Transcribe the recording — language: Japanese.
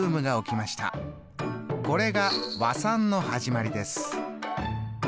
これが和算の始まりです。